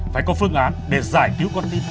phải có phương án để giải cứu con tim